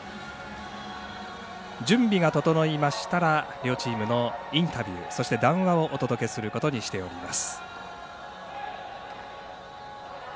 準備が整いましたら両チームのインタビューそして、談話をお届けすることにしています。